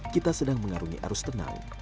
kita sedang mengarungi arus tenau